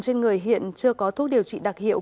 trên người hiện chưa có thuốc điều trị đặc hiệu